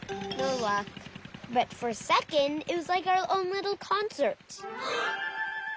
はあ。